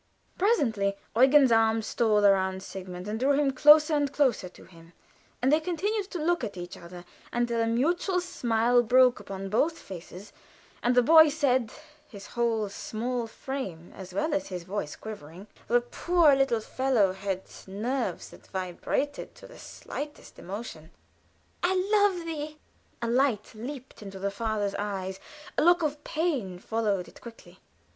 Presently Eugen's arm stole around Sigmund and drew him closer and closer to him, and they continued to look at each other until a mutual smile broke upon both faces, and the boy said, his whole small frame as well as his voice quivering (the poor little fellow had nerves that vibrated to the slightest emotion): "I love thee." A light leaped into the father's eyes; a look of pain followed it quickly.